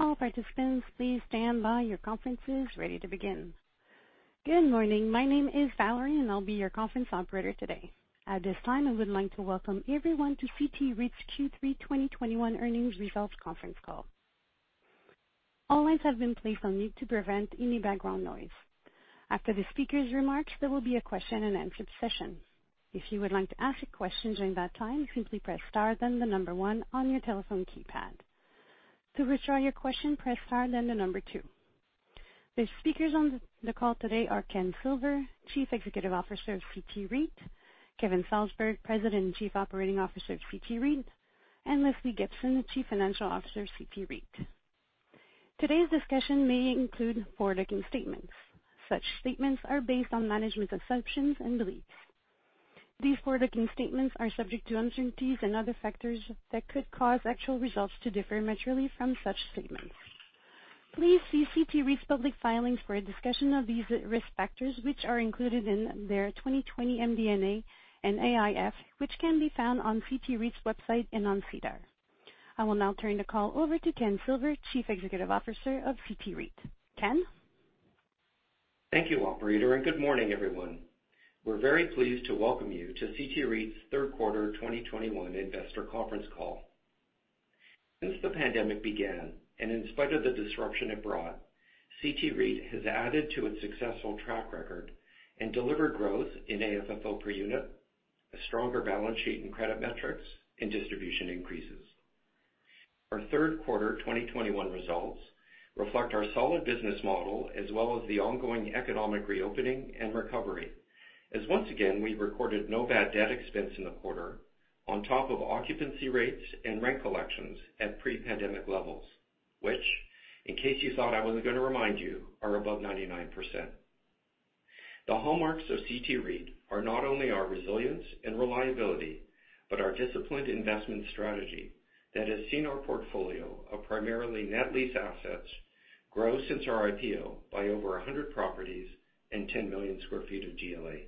Good morning. My name is Valerie, and I'll be your conference operator today. At this time, I would like to welcome everyone to CT REIT's Q3 2021 earnings results conference call. All lines have been placed on mute to prevent any background noise. After the speaker's remarks, there will be a question-and-answer session. If you would like to ask a question during that time, simply press star then the number one on your telephone keypad. To withdraw your question, press star then the number two. The speakers on the call today are Ken Silver, Chief Executive Officer of CT REIT, Kevin Salsberg, President and Chief Operating Officer of CT REIT, and Lesley Gibson, Chief Financial Officer of CT REIT. Today's discussion may include forward-looking statements. Such statements are based on management assumptions and beliefs. These forward-looking statements are subject to uncertainties and other factors that could cause actual results to differ materially from such statements. Please see CT REIT's public filings for a discussion of these risk factors, which are included in their 2020 MD&A and AIF, which can be found on CT REIT's website and on SEDAR. I will now turn the call over to Ken Silver, Chief Executive Officer of CT REIT. Ken? Thank you, operator, and good morning, everyone. We're very pleased to welcome you to CT REIT's third quarter 2021 investor conference call. Since the pandemic began, and in spite of the disruption it brought, CT REIT has added to its successful track record and delivered growth in AFFO per unit, a stronger balance sheet and credit metrics, and distribution increases. Our third quarter 2021 results reflect our solid business model as well as the ongoing economic reopening and recovery, as once again, we recorded no bad debt expense in the quarter on top of occupancy rates and rent collections at pre-pandemic levels, which in case you thought I wasn't gonna remind you, are above 99%. The hallmarks of CT REIT are not only our resilience and reliability, but our disciplined investment strategy that has seen our portfolio of primarily net lease assets grow since our IPO by over 100 properties and 10 million sq ft of GLA.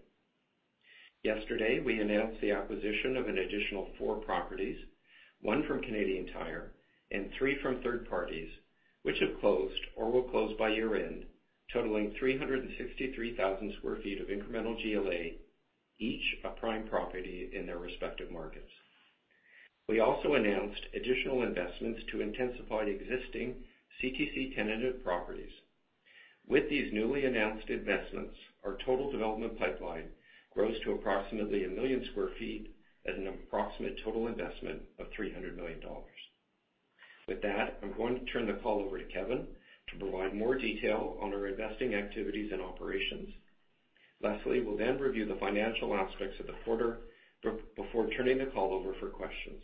Yesterday, we announced the acquisition of an additional four properties, one from Canadian Tire and three from third parties, which have closed or will close by year-end, totaling 363,000 sq ft of incremental GLA, each a prime property in their respective markets. We also announced additional investments to intensify existing CTC tenanted properties. With these newly announced investments, our total development pipeline grows to approximately one million sq ft at an approximate total investment of 300 million dollars. With that, I'm going to turn the call over to Kevin to provide more detail on our investing activities and operations. Lesley will then review the financial aspects of the quarter before turning the call over for questions.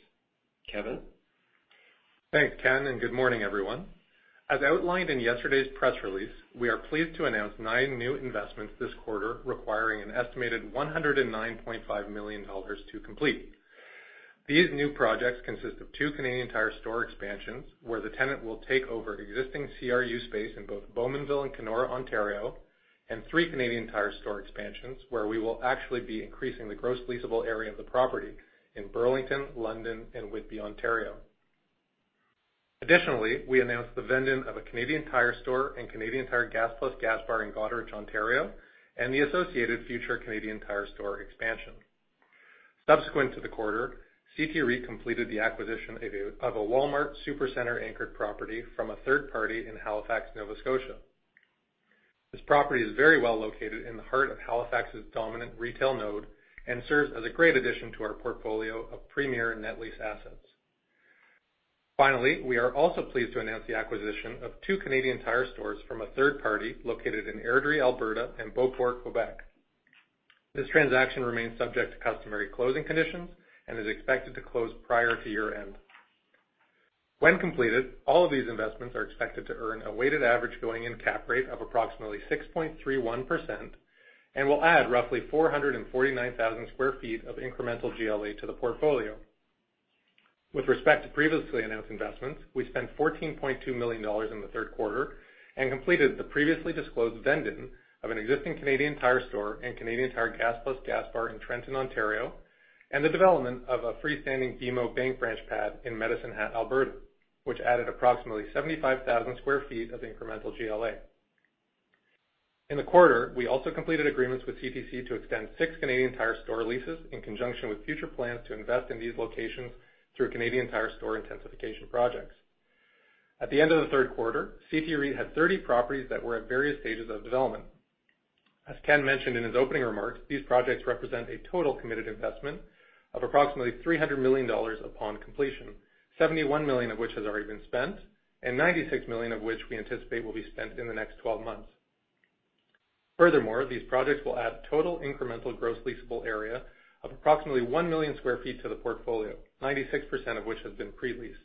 Kevin? Thanks, Ken, and good morning, everyone. As outlined in yesterday's press release, we are pleased to announce nine new investments this quarter requiring an estimated 109.5 million dollars to complete. These new projects consist of two Canadian Tire store expansions, where the tenant will take over existing CRU space in both Bowmanville and Kenora, Ontario, and three Canadian Tire store expansions, where we will actually be increasing the gross leasable area of the property in Burlington, London, and Whitby, Ontario. Additionally, we announced the vend-in of a Canadian Tire store and Canadian Tire Gas+ gas bar in Goderich, Ontario, and the associated future Canadian Tire store expansion. Subsequent to the quarter, CT REIT completed the acquisition of a Walmart Supercentre anchored property from a third party in Halifax, Nova Scotia. This property is very well located in the heart of Halifax's dominant retail node and serves as a great addition to our portfolio of premier net lease assets. Finally, we are also pleased to announce the acquisition of two Canadian Tire stores from a third party located in Airdrie, Alberta and Beauport, Quebec. This transaction remains subject to customary closing conditions and is expected to close prior to year-end. When completed, all of these investments are expected to earn a weighted average going-in cap rate of approximately 6.31% and will add roughly 449,000 sq ft of incremental GLA to the portfolio. With respect to previously announced investments, we spent 14.2 million dollars in the third quarter and completed the previously disclosed vend-in of an existing Canadian Tire store and Canadian Tire Gas+ gas bar in Trenton, Ontario, and the development of a freestanding BMO bank branch pad in Medicine Hat, Alberta, which added approximately 75,000 sq ft of incremental GLA. In the quarter, we also completed agreements with CTC to extend six Canadian Tire store leases in conjunction with future plans to invest in these locations through Canadian Tire store intensification projects. At the end of the third quarter, CT REIT had 30 properties that were at various stages of development. As Ken mentioned in his opening remarks, these projects represent a total committed investment of approximately 300 million dollars upon completion, 71 million of which has already been spent and 96 million of which we anticipate will be spent in the next twelve months. Furthermore, these projects will add total incremental gross leasable area of approximately 1 million sq ft to the portfolio, 96% of which have been pre-leased.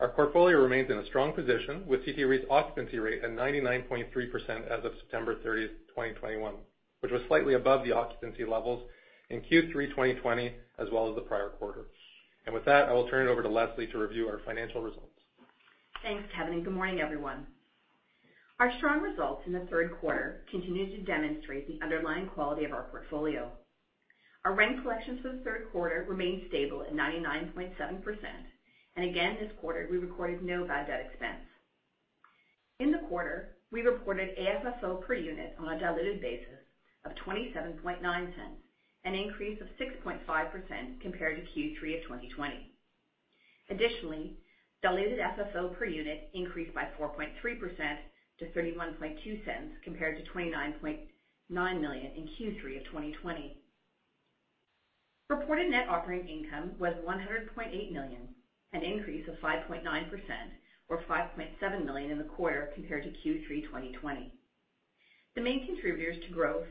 Our portfolio remains in a strong position with CT REIT's occupancy rate at 99.3% as of September thirtieth, 2021, which was slightly above the occupancy levels in Q3 2020 as well as the prior quarter. With that, I will turn it over to Lesley to review our financial results. Thanks, Kevin, and good morning, everyone. Our strong results in the third quarter continued to demonstrate the underlying quality of our portfolio. Our rent collections for the third quarter remained stable at 99.7%. Again, this quarter, we recorded no bad debt expense. In the quarter, we reported AFFO per unit on a diluted basis of 0.279, an increase of 6.5% compared to Q3 of 2020. Additionally, diluted FFO per unit increased by 4.3% to 0.312 compared to 0.299 in Q3 of 2020. Reported net operating income was 100.8 million, an increase of 5.9% or 5.7 million in the quarter compared to Q3 2020. The main contributors to growth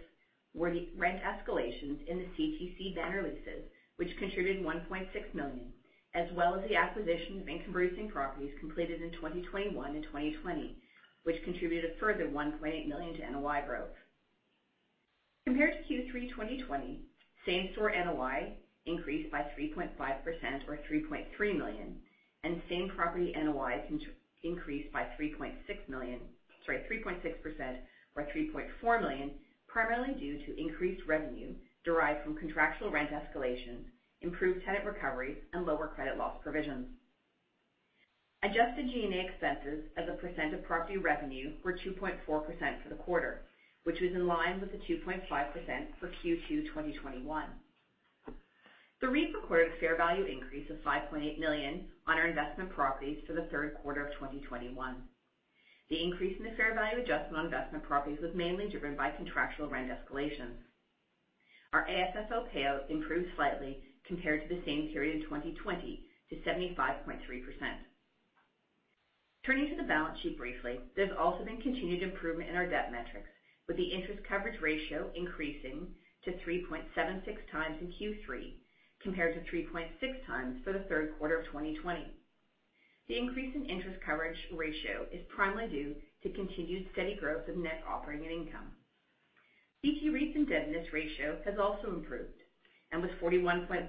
were the rent escalations in the CTC banner leases, which contributed 1.6 million, as well as the acquisition of income-producing properties completed in 2021 and 2020, which contributed a further 1.8 million to NOI growth. Compared to Q3 2020, same-store NOI increased by 3.5% or 3.3 million, and same-property NOI increased by 3.6% or 3.4 million, primarily due to increased revenue derived from contractual rent escalation, improved tenant recovery, and lower credit loss provisions. Adjusted G&A expenses as a percent of property revenue were 2.4% for the quarter, which was in line with the 2.5% for Q2 2021. The REIT recorded a fair value increase of 5.8 million on our investment properties for the third quarter of 2021. The increase in the fair value adjustment on investment properties was mainly driven by contractual rent escalations. Our AFFO payout improved slightly compared to the same period in 2020 to 75.3%. Turning to the balance sheet briefly. There's also been continued improvement in our debt metrics, with the interest coverage ratio increasing to 3.76 times in Q3, compared to 3.6 times for the third quarter of 2020. The increase in interest coverage ratio is primarily due to continued steady growth of net operating income. CT REIT's indebtedness ratio has also improved and was 41.1%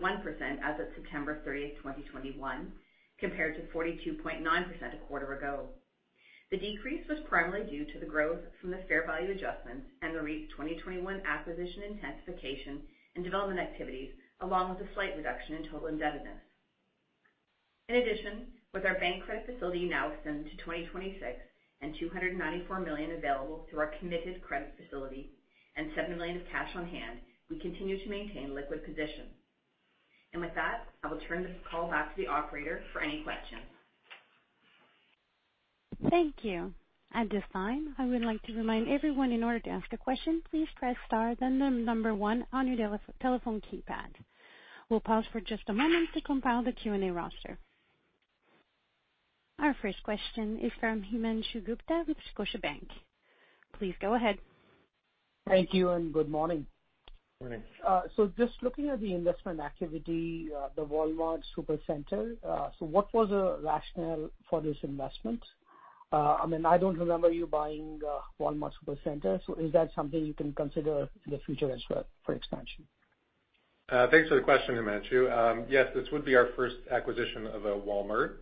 as of September 30th, 2021, compared to 42.9% a quarter ago. The decrease was primarily due to the growth from the fair value adjustments and the REIT 2021 acquisition intensification and development activities, along with a slight reduction in total indebtedness. In addition, with our bank credit facility now extended to 2026 and 294 million available through our committed credit facility and 7 million of cash on hand, we continue to maintain liquid position. With that, I will turn this call back to the operator for any questions. Thank you. At this time, I would like to remind everyone in order to ask a question, please press star then the number one on your telephone keypad. We'll pause for just a moment to compile the Q&A roster. Our first question is from Himanshu Gupta with Scotiabank. Please go ahead. Thank you and good morning. Morning. Just looking at the investment activity, the Walmart Supercentre, what was the rationale for this investment? I mean, I don't remember you buying a Walmart Supercentre. Is that something you can consider in the future as well for expansion? Thanks for the question, Himanshu. Yes, this would be our first acquisition of a Walmart.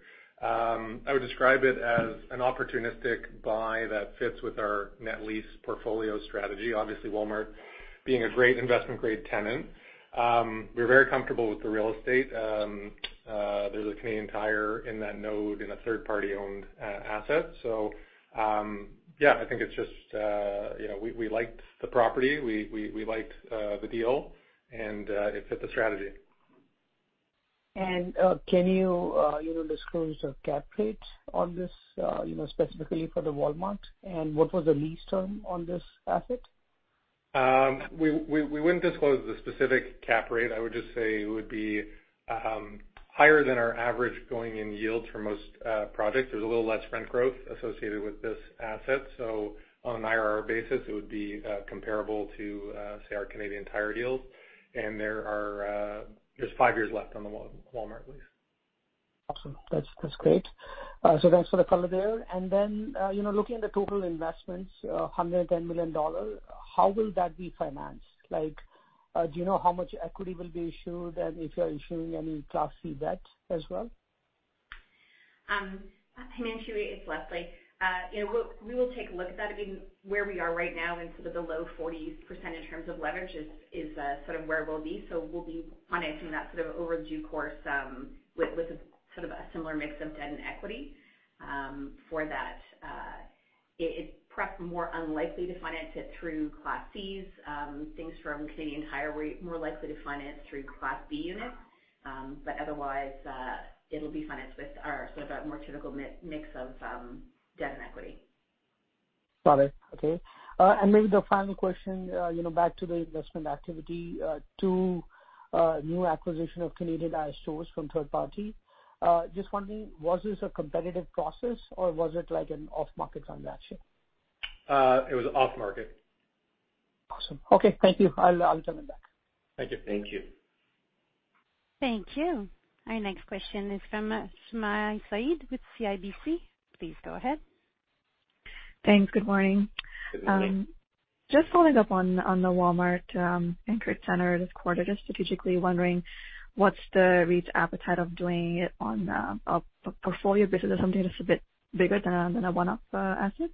I would describe it as an opportunistic buy that fits with our net lease portfolio strategy. Obviously, Walmart being a great investment-grade tenant, we're very comfortable with the real estate. There's a Canadian Tire in that node in a third-party-owned asset. Yeah, I think it's just, you know, we liked the property. We liked the deal, and it fit the strategy. Can you know, disclose a cap rate on this, you know, specifically for the Walmart? What was the lease term on this asset? We wouldn't disclose the specific cap rate. I would just say it would be higher than our average going-in yields for most projects. There's a little less rent growth associated with this asset. On an IRR basis, it would be comparable to say our Canadian Tire yields. There are five years left on the Walmart lease. Awesome. That's great. Thanks for the color there. You know, looking at the total investments, 110 million dollars, how will that be financed? Like, do you know how much equity will be issued, and if you are issuing any Class C debt as well? Himanshu, it's Lesley. You know, we'll take a look at that. I mean, where we are right now in sort of the low 40s% in terms of leverage is sort of where we'll be. We'll be financing that sort of in due course with a sort of a similar mix of debt and equity for that. It is perhaps more unlikely to finance it through Class C's. Things from Canadian Tire we're more likely to finance through Class B units. Otherwise, it'll be financed with our more typical mix of debt and equity. Got it. Okay. Maybe the final question, you know, back to the investment activity, new acquisition of Canadian Tire stores from third party. Just wondering, was this a competitive process, or was it like an off-market transaction? It was off market. Awesome. Okay. Thank you. I'll turn it back. Thank you. Thank you. Our next question is from Sumayya Syed with CIBC. Please go ahead. Thanks. Good morning. Good morning. Just following up on the Walmart anchored center this quarter. Just strategically wondering what's the REIT's appetite of doing it on a portfolio basis or something that's a bit bigger than a one-off asset?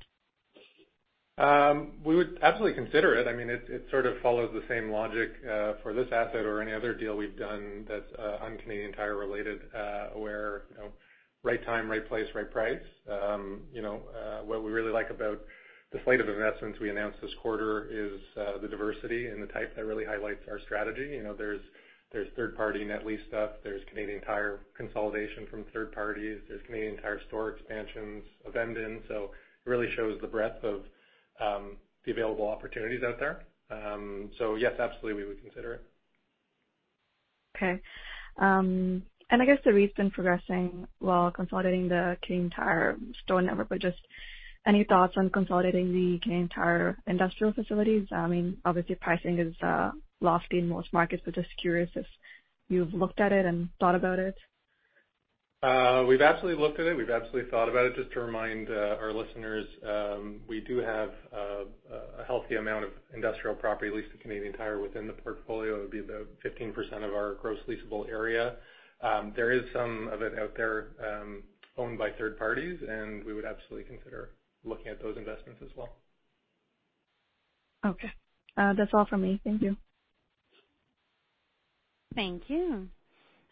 We would absolutely consider it. I mean, it sort of follows the same logic for this asset or any other deal we've done that's un-Canadian Tire related, where you know, right time, right place, right price. You know, what we really like about the slate of investments we announced this quarter is the diversity and the type that really highlights our strategy. You know, there's third party net lease stuff, there's Canadian Tire consolidation from third parties, there's Canadian Tire store expansions of vend in. It really shows the breadth of the available opportunities out there. Yes, absolutely, we would consider it. Okay. I guess the REIT's been progressing while consolidating the Canadian Tire store network, but just any thoughts on consolidating the Canadian Tire industrial facilities? I mean, obviously pricing is lofty in most markets, but just curious if you've looked at it and thought about it. We've absolutely looked at it. We've absolutely thought about it. Just to remind our listeners, we do have a healthy amount of industrial property leased to Canadian Tire within the portfolio. It would be about 15% of our gross leasable area. There is some of it out there, owned by third parties, and we would absolutely consider looking at those investments as well. Okay. That's all for me. Thank you. Thank you.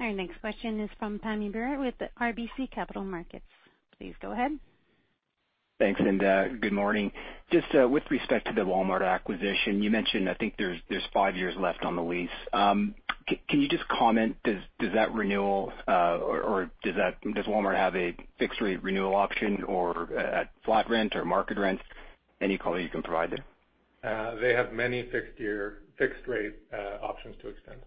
Our next question is from Pammi Bir with RBC Capital Markets. Please go ahead. Thanks, good morning. Just with respect to the Walmart acquisition, you mentioned I think there's five years left on the lease. Can you just comment, does that renewal or does Walmart have a fixed rate renewal option or flat rent or market rent? Any color you can provide there? They have many five-year, fixed rate options to extend.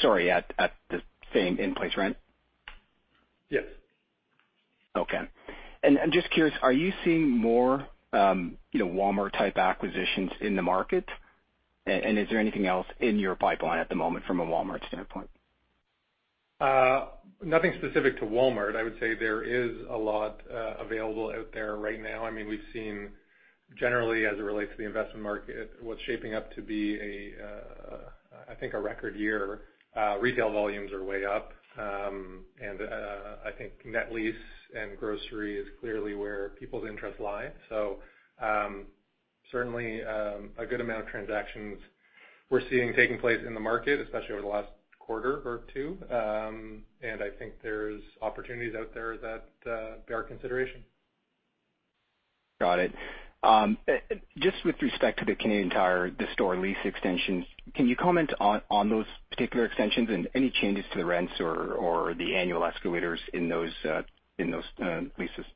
Sorry, at the same in-place rent? Yes. Okay. I'm just curious, are you seeing more, you know, Walmart-type acquisitions in the market? Is there anything else in your pipeline at the moment from a Walmart standpoint? Nothing specific to Walmart. I would say there is a lot available out there right now. I mean, we've seen generally as it relates to the investment market, what's shaping up to be, I think, a record year. Retail volumes are way up, and I think net lease and grocery is clearly where people's interests lie. Certainly, a good amount of transactions we're seeing taking place in the market, especially over the last quarter or two. I think there's opportunities out there that bear consideration. Got it. Just with respect to the Canadian Tire, the store lease extensions, can you comment on those particular extensions and any changes to the rents or the annual escalators in those leases?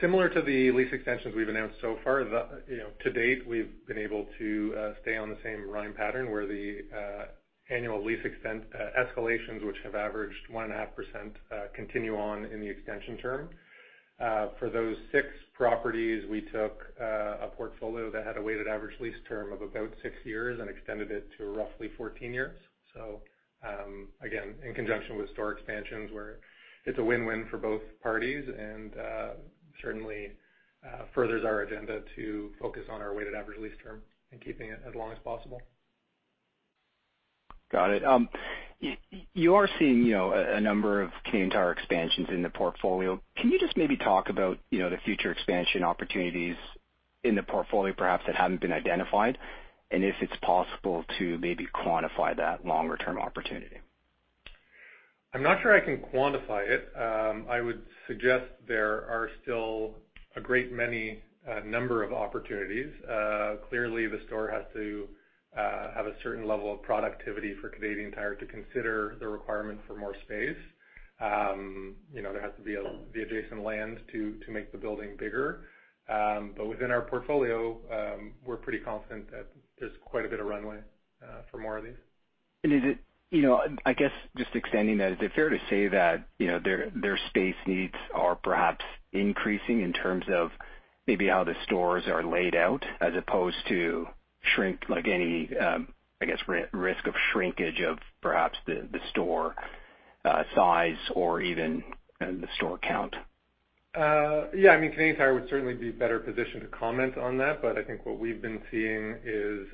Similar to the lease extensions we've announced so far, you know, to date, we've been able to stay on the same run pattern where the annual lease escalations, which have averaged 1.5%, continue on in the extension term. For those six properties, we took a portfolio that had a weighted average lease term of about six years and extended it to roughly 14 years. Again, in conjunction with store expansions, where it's a win-win for both parties and certainly furthers our agenda to focus on our weighted average lease term and keeping it as long as possible. Got it. You are seeing, you know, a number of Canadian Tire expansions in the portfolio. Can you just maybe talk about, you know, the future expansion opportunities in the portfolio, perhaps, that haven't been identified, and if it's possible to maybe quantify that longer term opportunity? I'm not sure I can quantify it. I would suggest there are still a great many number of opportunities. Clearly the store has to have a certain level of productivity for Canadian Tire to consider the requirement for more space. You know, there has to be the adjacent land to make the building bigger. Within our portfolio, we're pretty confident that there's quite a bit of runway for more of these. Is it, you know, I guess just extending that, is it fair to say that, you know, their space needs are perhaps increasing in terms of maybe how the stores are laid out as opposed to shrink, like any, I guess risk of shrinkage of perhaps the store size or even, the store count? Yeah. I mean, Canadian Tire would certainly be better positioned to comment on that. I think what we've been seeing is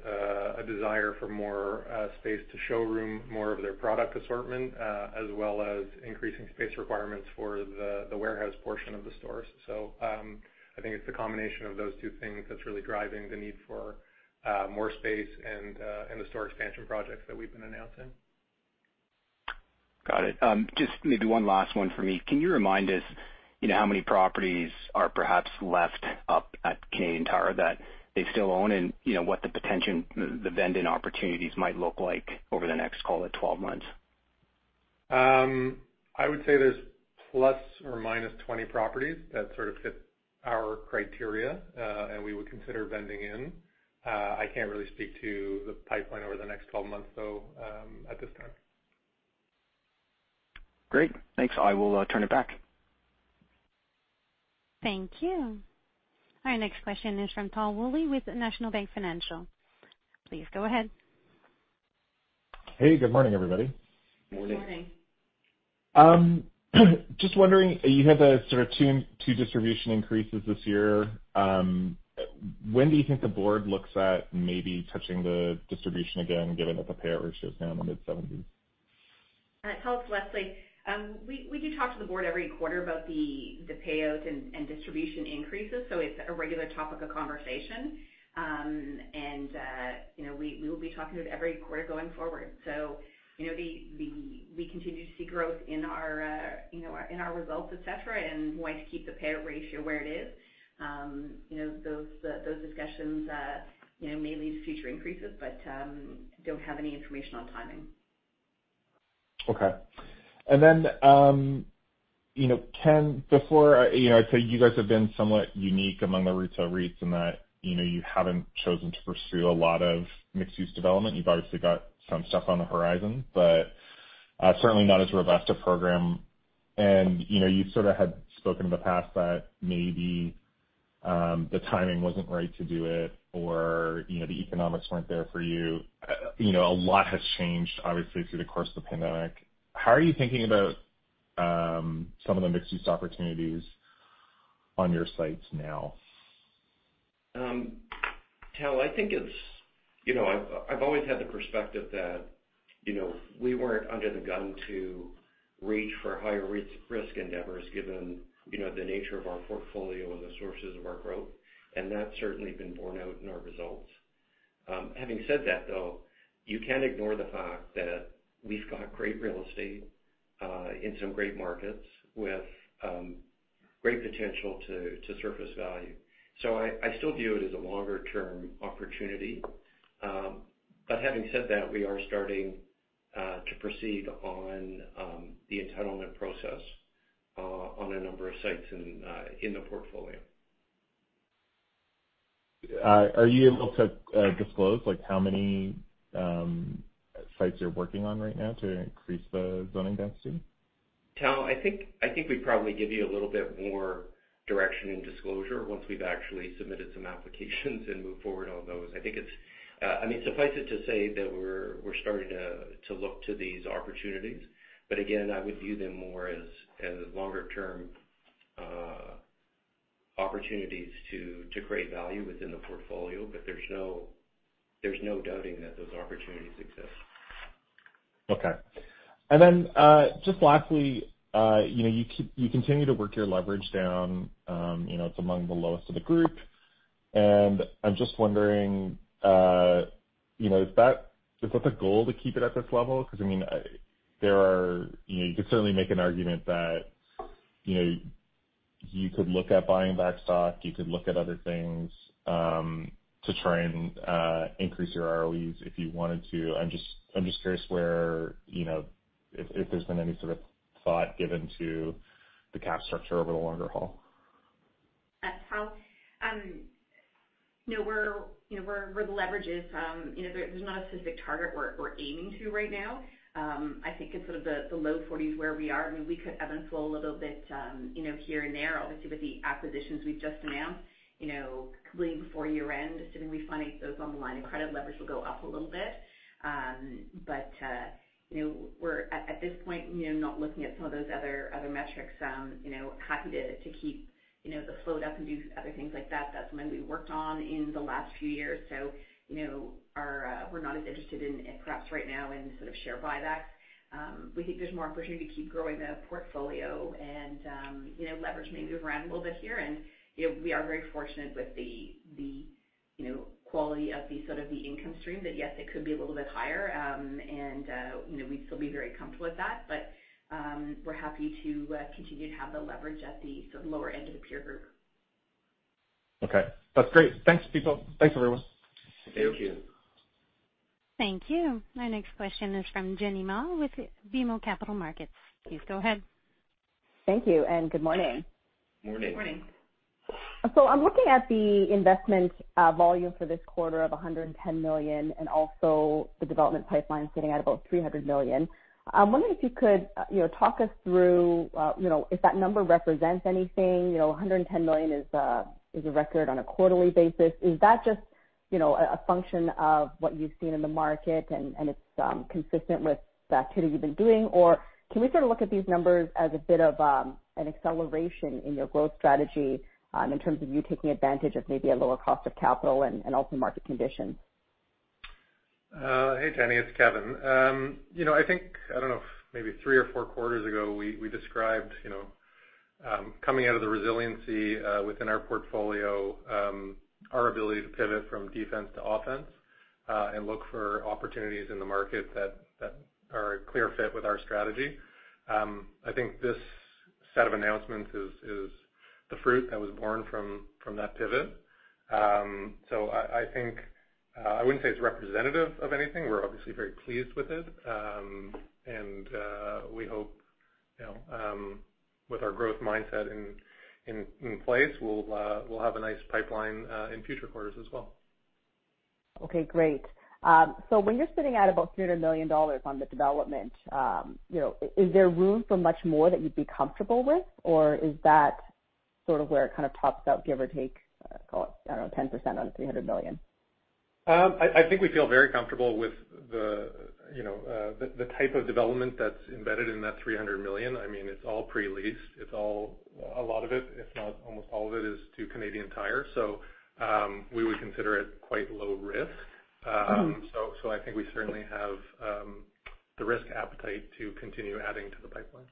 a desire for more space to showroom more of their product assortment, as well as increasing space requirements for the warehouse portion of the stores. I think it's the combination of those two things that's really driving the need for more space and the store expansion projects that we've been announcing. Got it. Just maybe one last one for me. Can you remind us, you know, how many properties are perhaps left up at Canadian Tire that they still own? And, you know, what the potential, the vend in opportunities might look like over the next, call it, 12 months? I would say there's plus or minus 20 properties that sort of fit our criteria, and we would consider vending in. I can't really speak to the pipeline over the next 12 months, though, at this time. Great. Thanks. I will turn it back. Thank you. Our next question is from Tal Woolley with National Bank Financial. Please go ahead. Hey, good morning, everybody. Good morning. Just wondering, you had the sort of two distribution increases this year. When do you think the board looks at maybe touching the distribution again, given that the payout ratio is now in the mid-70s%? Tal, it's Lesley. We do talk to the board every quarter about the payout and distribution increases, so it's a regular topic of conversation. You know, we will be talking to the board every quarter going forward. You know, we continue to see growth in our results, et cetera, and why to keep the payout ratio where it is. You know, those discussions may lead to future increases, but we don't have any information on timing. Okay. You know, Ken, before, you know, I'd say you guys have been somewhat unique among the retail REITs in that, you know, you haven't chosen to pursue a lot of mixed-use development. You've obviously got some stuff on the horizon, but, certainly not as robust a program. You know, you sort of had spoken in the past that maybe, the timing wasn't right to do it or, you know, the economics weren't there for you. You know, a lot has changed, obviously, through the course of the pandemic. How are you thinking about, some of the mixed-use opportunities on your sites now? Tal, I think it's, you know, I've always had the perspective that, you know, we weren't under the gun to reach for higher risk endeavors given, you know, the nature of our portfolio and the sources of our growth, and that's certainly been borne out in our results. Having said that, though, you can't ignore the fact that we've got great real estate in some great markets with great potential to surface value. I still view it as a longer-term opportunity. Having said that, we are starting to proceed on the entitlement process on a number of sites in the portfolio. Are you able to disclose, like, how many sites you're working on right now to increase the zoning density? Tal, I think we'd probably give you a little bit more direction and disclosure once we've actually submitted some applications and moved forward on those. I think it's. I mean, suffice it to say that we're starting to look to these opportunities. But again, I would view them more as longer-term opportunities to create value within the portfolio. But there's no doubting that those opportunities exist. Okay. Just lastly, you know, you continue to work your leverage down. You know, it's among the lowest of the group. I'm just wondering, you know, is that the goal to keep it at this level? Because, I mean, there are, you know, you could certainly make an argument that, you know, you could look at buying back stock, you could look at other things, to try and increase your ROEs if you wanted to. I'm just curious where, you know, if there's been any sort of thought given to the capital structure over the longer haul. That's Tal. You know, we're our leverage. You know, there's not a specific target we're aiming to right now. I think it's sort of the low forties where we are. I mean, we could ebb and flow a little bit, you know, here and there, obviously, with the acquisitions we've just announced. You know, completing before year-end, assuming we finance those on the line of credit, leverage will go up a little bit. But you know, we're at this point, you know, not looking at some of those other metrics. You know, happy to keep, you know, the float up and do other things like that. That's something we worked on in the last few years. You know, we're not as interested in, perhaps right now, in sort of share buybacks. We think there's more opportunity to keep growing the portfolio and leverage maybe move around a little bit here. You know, we are very fortunate with the quality of the sort of income stream, that yes, it could be a little bit higher. We'd still be very comfortable with that. We're happy to continue to have the leverage at the sort of lower end of the peer group. Okay. That's great. Thanks, people. Thanks, everyone. Thank you. Thank you. Thank you. Our next question is from Jenny Ma with BMO Capital Markets. Please go ahead. Thank you, and good morning. Morning. Morning. I'm looking at the investment volume for this quarter of 110 million and also the development pipeline sitting at about 300 million. I'm wondering if you could, you know, talk us through, you know, if that number represents anything. You know, 110 million is a record on a quarterly basis. Is that just, you know, a function of what you've seen in the market and it's consistent with the activity you've been doing? Or can we sort of look at these numbers as a bit of an acceleration in your growth strategy in terms of you taking advantage of maybe a lower cost of capital and also market conditions? Hey, Jenny, it's Kevin. You know, I think, I don't know, maybe three or four quarters ago, we described, you know, coming out of the resiliency within our portfolio, our ability to pivot from defense to offense, and look for opportunities in the market that are a clear fit with our strategy. I think this set of announcements is the fruit that was born from that pivot. I think I wouldn't say it's representative of anything. We're obviously very pleased with it. We hope, you know, with our growth mindset in place, we'll have a nice pipeline in future quarters as well. Okay, great. When you're sitting at about 300 million dollars on the development, you know, is there room for much more that you'd be comfortable with? Or is that- Sort of where it kind of tops out, give or take, call it, I don't know, 10% on 300 million. I think we feel very comfortable with the, you know, the type of development that's embedded in that 300 million. I mean, it's all pre-leased. A lot of it, if not almost all of it, is to Canadian Tire. We would consider it quite low risk. I think we certainly have the risk appetite to continue adding to the pipeline.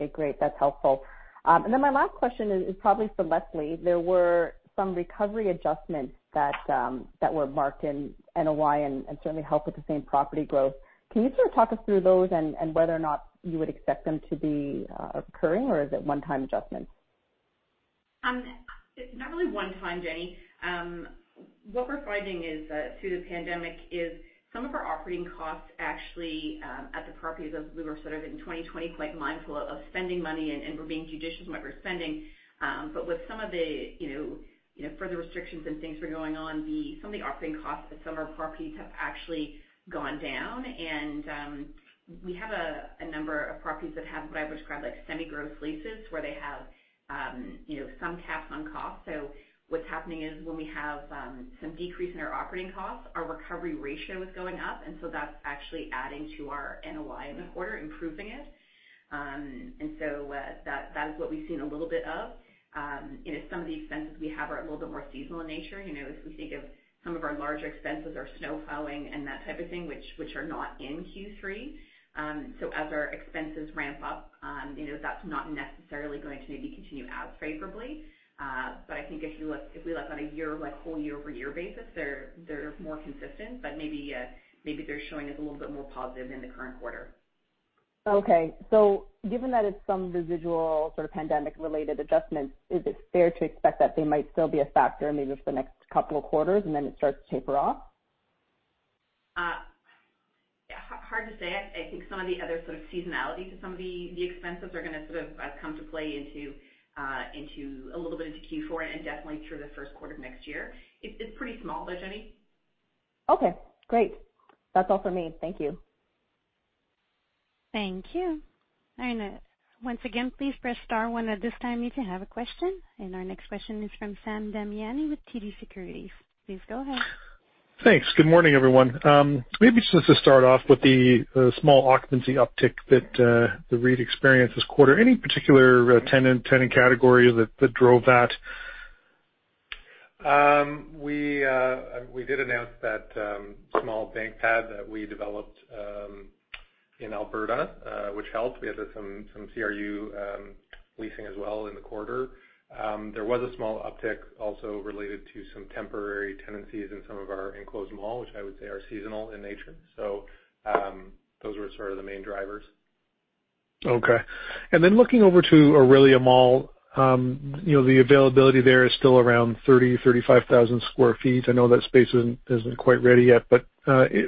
Okay, great. That's helpful. Then my last question is probably for Lesley. There were some recovery adjustments that were marked in NOI and certainly helped with the same-property growth. Can you sort of talk us through those and whether or not you would expect them to be occurring, or is it one-time adjustments? Not really one time, Jenny. What we're finding is through the pandemic is some of our operating costs actually at the properties as we were sort of in 2020 quite mindful of spending money and were being judicious in what we're spending. With some of the you know further restrictions and things were going on, some of the operating costs at some of our properties have actually gone down. We have a number of properties that have what I would describe like semi-gross leases, where they have you know some caps on costs. What's happening is when we have some decrease in our operating costs, our recovery ratio is going up, and so that's actually adding to our NOI in the quarter, improving it. That is what we've seen a little bit of. Some of the expenses we have are a little bit more seasonal in nature. You know, as we think of some of our larger expenses are snowplowing and that type of thing, which are not in Q3. As our expenses ramp up, you know, that's not necessarily going to maybe continue as favorably. I think if we look on a year, like whole year-over-year basis, they're more consistent, but maybe they're showing us a little bit more positive in the current quarter. Okay. Given that it's some residual sort of pandemic-related adjustments, is it fair to expect that they might still be a factor in maybe just the next couple of quarters and then it starts to taper off? Hard to say. I think some of the other sort of seasonality to some of the expenses are gonna sort of come to play into a little bit into Q4 and definitely through the first quarter of next year. It's pretty small though, Jenny. Okay, great. That's all for me. Thank you. Thank you. Once again, please press star one at this time if you have a question. Our next question is from Sam Damiani with TD Securities. Please go ahead. Thanks. Good morning, everyone. Maybe just to start off with the small occupancy uptick that the REIT experienced this quarter. Any particular tenant category that drove that? We did announce that small bank pad that we developed in Alberta, which helped. We had some CRU leasing as well in the quarter. There was a small uptick also related to some temporary tenancies in some of our enclosed mall, which I would say are seasonal in nature. Those were sort of the main drivers. Okay. Looking over to Aurora Mall, the availability there is still around 30,000-35,000 sq ft. I know that space isn't quite ready yet, but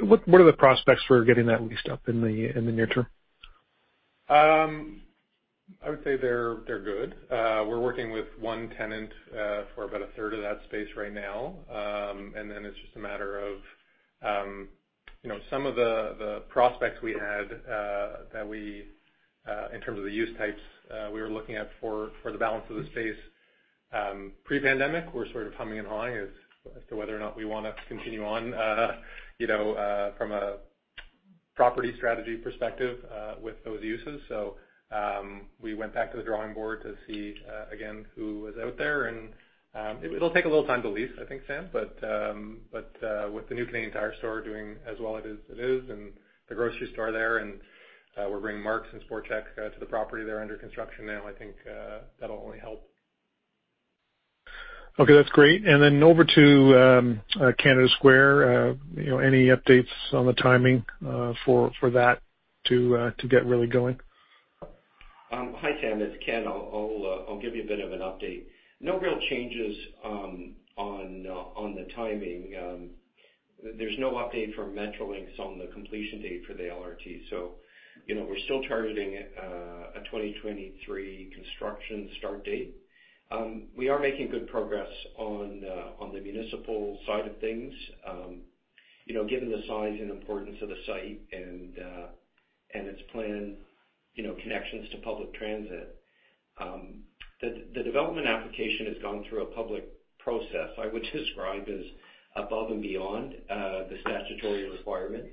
what are the prospects for getting that leased up in the near term? I would say they're good. We're working with one tenant for about a third of that space right now. It's just a matter of, you know, some of the prospects we had, that we in terms of the use types, we were looking at for the balance of the space, pre-pandemic, we're sort of humming and hawing as to whether or not we wanna continue on, you know, from a property strategy perspective, with those uses. We went back to the drawing board to see, again, who was out there. It'll take a little time to lease, I think, Sam. With the new Canadian Tire store doing as well as it is, and the grocery store there, and we're bringing Mark's and Sport Chek to the property, they're under construction now, I think, that'll only help. Okay, that's great. Over to Canada Square. You know, any updates on the timing for that to get really going? Hi, Sam, it's Ken. I'll give you a bit of an update. No real changes on the timing. There's no update from Metrolinx on the completion date for the LRT, so you know, we're still targeting a 2023 construction start date. We are making good progress on the municipal side of things. You know, given the size and importance of the site and its planned connections to public transit, the development application has gone through a public process I would describe as above and beyond the statutory requirement.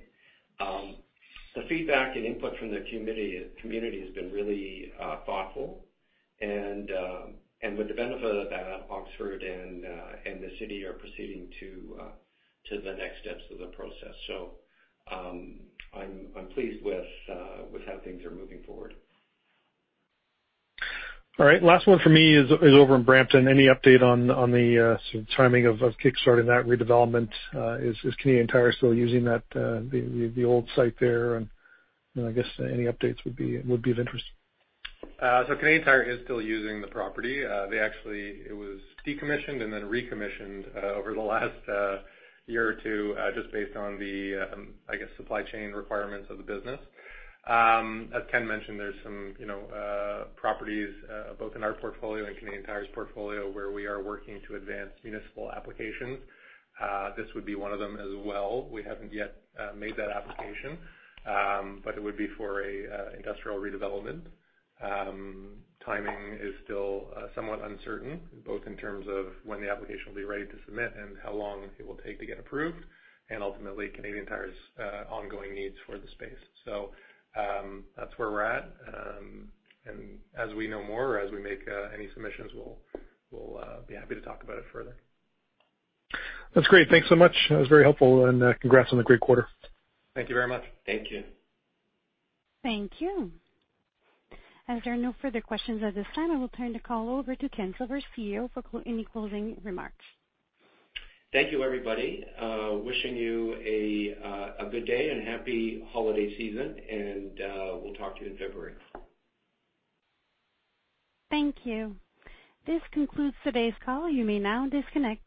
The feedback and input from the community has been really thoughtful. With the benefit of that, Oxford and the city are proceeding to the next steps of the process. I'm pleased with how things are moving forward. All right. Last one for me is over in Brampton. Any update on sort of timing of kickstarting that redevelopment? Is Canadian Tire still using that the old site there? You know, I guess any updates would be of interest. Canadian Tire is still using the property. It was decommissioned and then recommissioned over the last year or two just based on the, I guess, supply chain requirements of the business. As Ken mentioned, there's some, you know, properties both in our portfolio and Canadian Tire's portfolio where we are working to advance municipal applications. This would be one of them as well. We haven't yet made that application, but it would be for a industrial redevelopment. Timing is still somewhat uncertain, both in terms of when the application will be ready to submit and how long it will take to get approved, and ultimately, Canadian Tire's ongoing needs for the space. That's where we're at. As we know more, as we make any submissions, we'll be happy to talk about it further. That's great. Thanks so much. That was very helpful, and congrats on the great quarter. Thank you very much. Thank you. Thank you. As there are no further questions at this time, I will turn the call over to Ken Silver, CEO, for any closing remarks. Thank you, everybody. Wishing you a good day and happy holiday season, and we'll talk to you in February. Thank you. This concludes today's call. You may now disconnect.